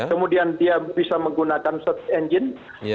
kemudian dia bisa menggunakan search engine